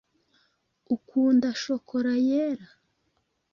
Ukunda shokora yera?